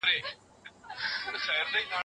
که پوه سو، نو غلطو تبلیغاتو ته نه ځو.